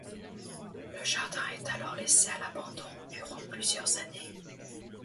Le jardin est alors laissé à l'abandon durant plusieurs années.